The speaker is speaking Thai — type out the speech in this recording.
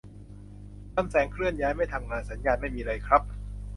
ลำแสงเคลื่อนย้ายไม่ทำงาน สัญญาณไม่มีเลยครับ